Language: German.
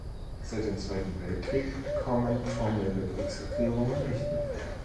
Seit dem Zweiten Weltkrieg kommen formelle Kriegserklärungen nicht mehr vor.